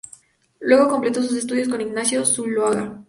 Luego completó sus estudios con Ignacio Zuloaga.